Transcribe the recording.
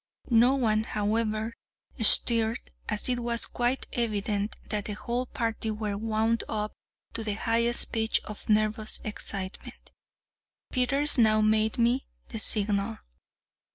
No one, however, stirred, and it was quite evident that the whole party were wound up to the highest pitch of nervous excitement. Peters now made me the signal.